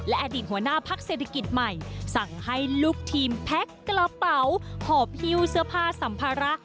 อดีตหัวหน้าพักเศรษฐกิจใหม่สั่งให้ลูกทีมแพ็คกระเป๋าหอบฮิวเสื้อผ้าสัมภาระ